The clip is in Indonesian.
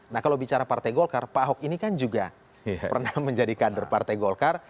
nah kalau bicara partai golkar pak ahok ini kan juga pernah menjadi kader partai golkar